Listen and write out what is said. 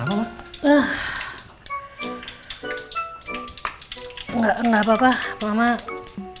ogami deh yang aku beli warna wei